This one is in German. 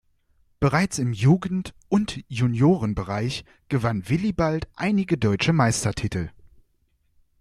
Bereits im Jugend- und Juniorenbereich gewann Willibald einige deutsche Meistertitel.